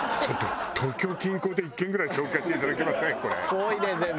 遠いね全部。